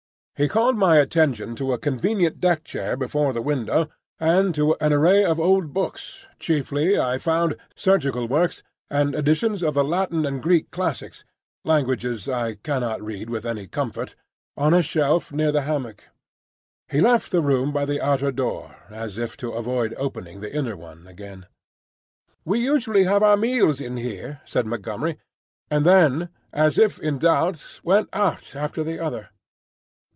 He called my attention to a convenient deck chair before the window, and to an array of old books, chiefly, I found, surgical works and editions of the Latin and Greek classics (languages I cannot read with any comfort), on a shelf near the hammock. He left the room by the outer door, as if to avoid opening the inner one again. "We usually have our meals in here," said Montgomery, and then, as if in doubt, went out after the other.